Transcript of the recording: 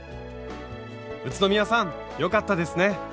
宇都宮さんよかったですね！